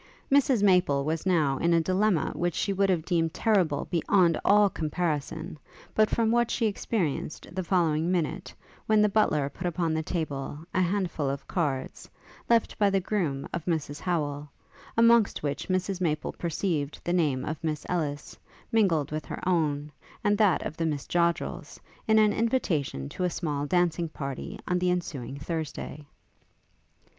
Mrs Maple was now in a dilemma which she would have deemed terrible beyond all comparison, but from what she experienced the following minute, when the butler put upon the table a handful of cards, left by the groom of Mrs Howel, amongst which Mrs Maple perceived the name of Miss Ellis, mingled with her own, and that of the Miss Joddrels, in an invitation to a small dancing party on the ensuing Thursday.